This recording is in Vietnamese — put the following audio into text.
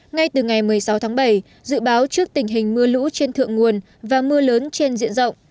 ngay từ ngày một mươi sáu tháng bảy dự báo trước tình hình mưa lũ trên thượng nguồn và mưa lớn trên diện rộng